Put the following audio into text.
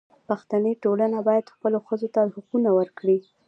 پښتني ټولنه باید خپلو ښځو ته حقونه ورکړي.